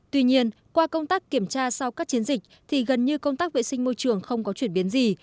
tuy nhiên qua công tác kiểm tra sau các chiến dịch thì gần như công tác vệ sinh môi trường không có chuyển biến gì